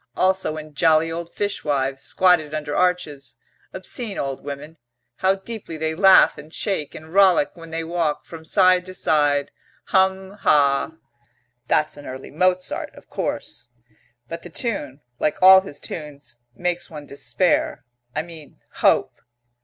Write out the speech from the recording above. Also in jolly old fishwives, squatted under arches, obscene old women, how deeply they laugh and shake and rollick, when they walk, from side to side, hum, hah! "That's an early Mozart, of course " "But the tune, like all his tunes, makes one despair I mean hope.